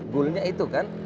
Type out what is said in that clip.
goalnya itu kan